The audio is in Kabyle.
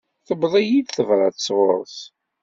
Tewweḍ-iyi-d tebrat sɣur-s.